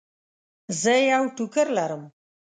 زه یو ټوکر لرم.